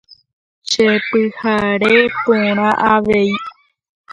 Chepyhare porã avei.